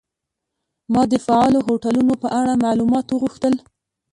ما د فعالو هوټلونو په اړه معلومات وغوښتل.